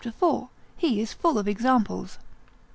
4. he is full of examples.